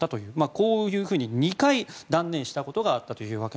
こういうふうに２回断念したことがあったと。